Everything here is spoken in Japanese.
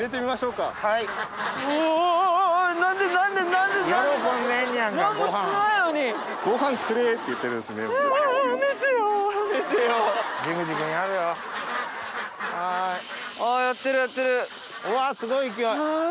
うわすごい勢い。